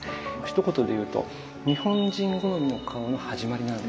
ひと言で言うと日本人好みの顔の始まりなんですね。